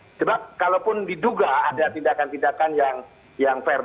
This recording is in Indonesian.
karena kalaupun diduga ada tindakan tindakan yang fair